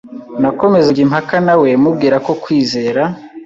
Nakomezaga kujya impaka nawe mubwira ko kwizera